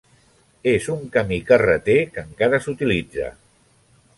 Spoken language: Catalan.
És un camí carreter que encara s'utilitza.